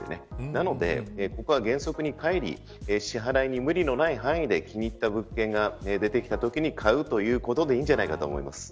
なので、ここは原則にかえり支払いに無理のない範囲で気に入った物件が出てきたときに買うってことでいいんじゃないかと思います。